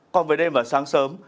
còn về đêm và sáng sớm